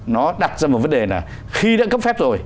nó đặt ra một vấn đề là khi đã cấp phép rồi